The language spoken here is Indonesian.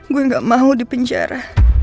gue gak mau dipenjara